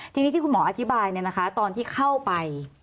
ทีนี้ที่คุณหมออธิบายตอนที่เข้าไป